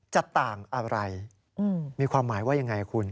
จะต่างอะไรมีความหมายว่ายังไงคุณ